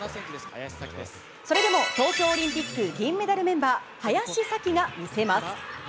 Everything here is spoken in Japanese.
それでも、東京オリンピック銀メダルメンバー林咲希が見せます。